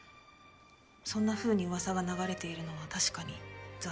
そんなふうに噂が流れているのは確かに残念です。